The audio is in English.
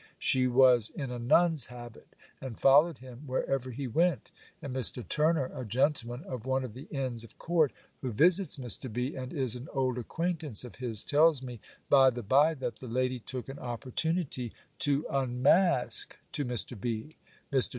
She was in a nun's habit, and followed him wherever he went; and Mr. Turner, a gentleman of one of the inns of court, who visits Mr. B. and is an old acquaintance of his, tells me, by the bye, that the lady took an opportunity to unmask to Mr. B. Mr.